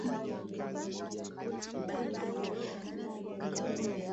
Ni mhamasishaji jamii katika Kijiji cha Paje kisiwani Unguja